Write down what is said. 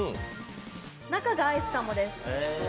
中がアイスかもです。